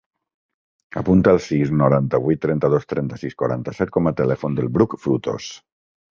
Apunta el sis, noranta-vuit, trenta-dos, trenta-sis, quaranta-set com a telèfon del Bruc Frutos.